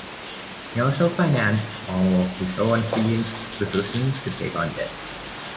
He also financed all of his own films, refusing to take on debt.